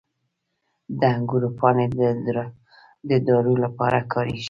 • د انګورو پاڼې د دارو لپاره کارېږي.